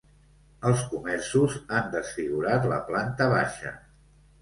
Els comerços han desfigurat la planta baixa.